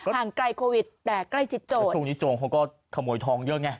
ห่างไกลโควิดแต่ใกล้ชิดโจรช่วงนี้โจรเขาก็ขโมยทองเยอะไง